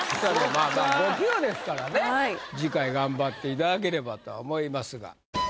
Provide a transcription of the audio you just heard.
まあまあ５級ですからね次回頑張っていただければとは思いますが。